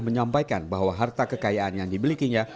menyampaikan bahwa harta kekayaan yang dibelikinya